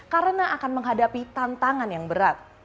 karena akan menghadapi perubahan yang baik